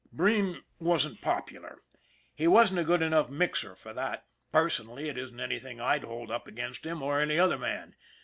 Breen wasn't popular. He wasn't a good enough mixer for that. Personally, it isn't anything I'd hold up against him, or any other man.